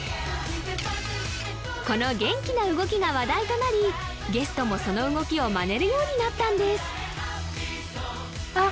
この元気な動きが話題となりゲストもその動きをマネるようになったんですあっ